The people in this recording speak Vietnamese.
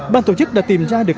ban tổ chức đã tìm ra được